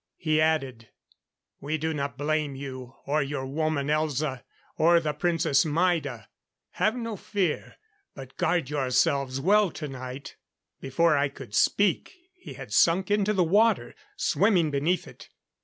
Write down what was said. He added: "We do not blame you or your woman, Elza or the Princess Maida. Have no fear, but guard yourself well tonight." Before I could speak he had sunk into the water, swimming beneath it.